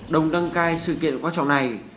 đồng đăng cai sự kiện quan trọng này